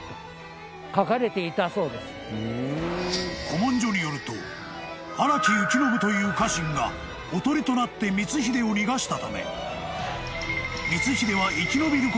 ［古文書によると荒木行信という家臣がおとりとなって光秀を逃がしたため］